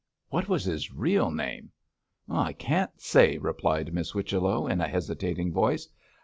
'What was his real name?' 'I can't say,' replied Miss Whichello, in a hesitating voice.